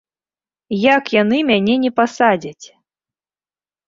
Як яны мяне не пасадзяць?!